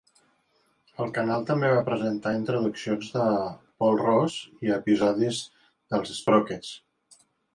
El canal també va presentar introduccions de Paul Ross i episodis dels Sprockets.